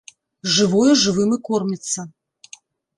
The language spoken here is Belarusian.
Жывое жывым і корміцца!